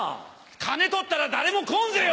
金取ったら誰も来んぜよ！